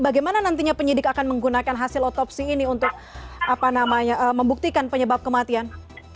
bagaimana nantinya penyidik akan menggunakan hasil otopsi ini untuk membuktikan penyebab kematian